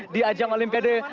di ajang olimpiade